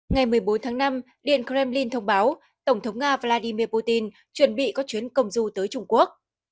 ngày một mươi bốn tháng năm điện kremlin thông báo tổng thống nga vladimir putin chuẩn bị các chuyến công du tới trung quốc